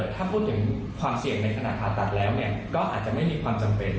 ถ้าพูดถึงความเสี่ยงในขณะผ่าตัดแล้วก็อาจจะไม่มีความจำเป็น